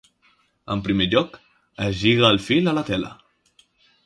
En primer lloc, es lliga el fil a la tela.